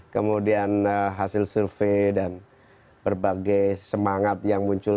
kemudian hasil survei dan berbagai semangat yang muncul